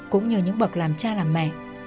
cũng như những bậc làm cha làm mẹ